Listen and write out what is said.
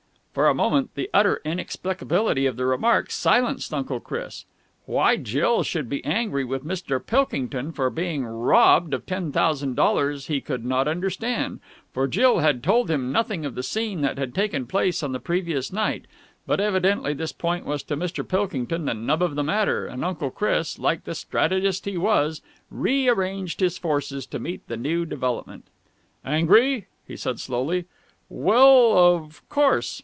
For a moment the utter inexplicability of the remark silenced Uncle Chris. Why Jill should be angry with Mr. Pilkington for being robbed of ten thousand dollars he could not understand, for Jill had told him nothing of the scene that had taken place on the previous night. But evidently this point was to Mr. Pilkington the nub of the matter, and Uncle Chris, like the strategist he was, re arranged his forces to meet the new development. "Angry?" he said slowly. "Well, of course...."